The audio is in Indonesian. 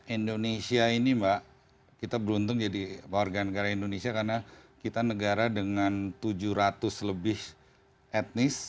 indonesia ini mbak kita beruntung jadi warga negara indonesia karena kita negara dengan tujuh ratus lebih etnis